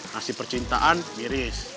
nasib percintaan miris